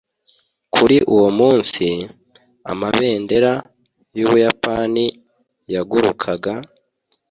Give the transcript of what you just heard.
Kuri uwo munsi, amabendera y’Ubuyapani yagurukaga.